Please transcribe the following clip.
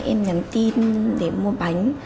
em nhắn tin để mua bánh